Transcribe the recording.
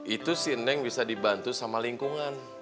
itu si neng bisa dibantu sama lingkungan